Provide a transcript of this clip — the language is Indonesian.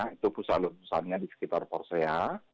itu pusat letusannya di sekitar porsea